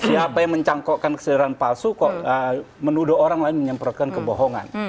siapa yang mencangkokkan kesadaran palsu kok menuduh orang lain menyemprotkan kebohongan